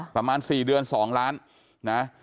ประมาณ๔เดือน๒ล้านนะ